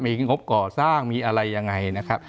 มีงบก่อสร้างมีอะไรยังไงนะครับ